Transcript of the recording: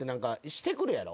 してくるやろ？